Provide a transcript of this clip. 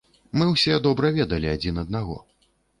Мы ўсе добра ведалі адзін аднаго.